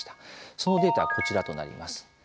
そのデータはこちらとなります。